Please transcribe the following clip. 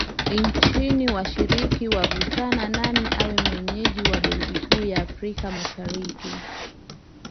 Nchini washiriki wavutana nani awe mwenyeji wa benki kuu ya Afrika Mashariki